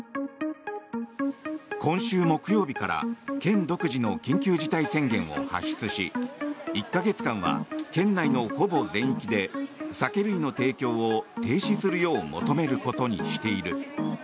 今週木曜日から県独自の緊急事態宣言を発出し１か月間は県内のほぼ全域で酒類の提供を停止するよう求めることにしている。